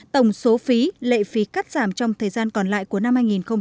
tổng số phí lệ phí cắt giảm trong thời gian còn lại của năm hai nghìn hai mươi